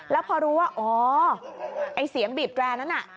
แล้วพอรู้ว่าอ๋อไอ้เสียงบีบแกรนนั้นน่ะ